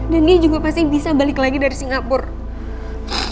dan dia juga pasti bisa balik lagi dari singapura